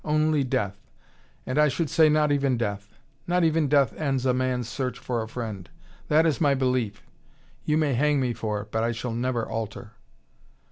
Only death. And I should say, not even death. Not even death ends a man's search for a friend. That is my belief. You may hang me for it, but I shall never alter."